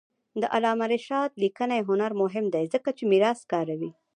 د علامه رشاد لیکنی هنر مهم دی ځکه چې میراث کاروي.